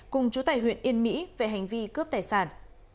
cùng chú tài huyện yên mỹ về hành vi cướp tài sản